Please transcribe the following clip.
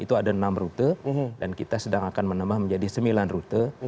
itu ada enam rute dan kita sedang akan menambah menjadi sembilan rute